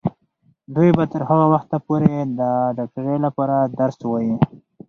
دوی به تر هغه وخته پورې د ډاکټرۍ لپاره درس وايي.